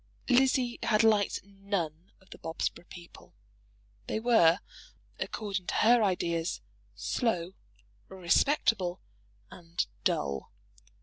Lizzie had liked none of the Bobsborough people. They were, according to her ideas, slow, respectable, and dull.